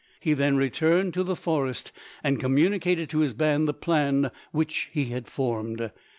He then returned to the forest and communicated to his band the plan which he had formed.